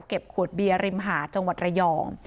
ขวดเบียร์ริมหาดจังหวัดระยอง